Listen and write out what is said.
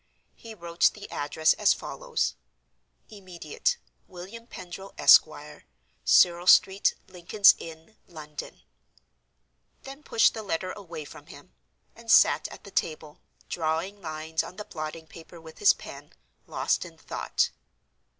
He wrote the address as follows: "Immediate—William Pendril, Esq., Serle Street, Lincoln's Inn, London"—then pushed the letter away from him, and sat at the table, drawing lines on the blotting paper with his pen, lost in thought.